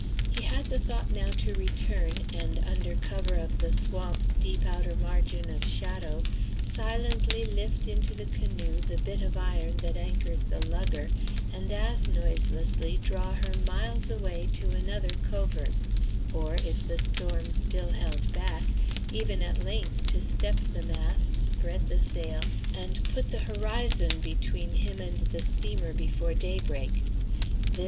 He had the thought now to return, and under cover of the swamp's deep outer margin of shadow, silently lift into the canoe the bit of iron that anchored the lugger, and as noiselessly draw her miles away to another covert; or if the storm still held back, even at length to step the mast, spread the sail, and put the horizon between him and the steamer before daybreak.